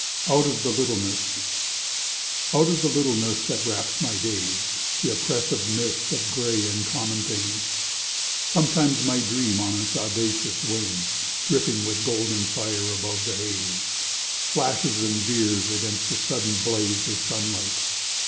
[OUT OF THE LITTLENESS] Out of the littleness that wraps my days, The oppressive mist of gray and common things, Sometimes my dream on its audacious wings, Dripping with golden fire, above the haze, Flashes and veers against the sudden blaze Of sunlight.